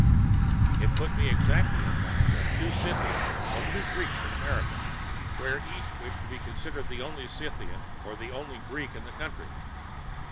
It put me exactly in mind of two Scythians or two Greeks in America, where each wished to be considered the only Scythian or only Greek in the country.